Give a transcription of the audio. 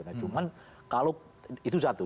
nah cuman kalau itu satu